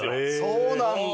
そうなんだ！